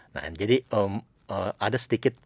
nah jadi ada sedikit